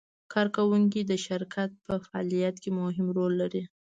کارکوونکي د شرکت په فعالیت کې مهم رول لري.